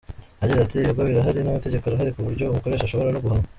Yagize ati “Ibigo birahari n’amategeko arahari ku buryo umukoresha ashobora no guhanwa.